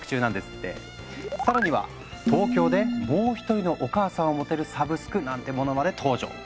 更には東京でもう一人のお母さんを持てるサブスクなんてものまで登場。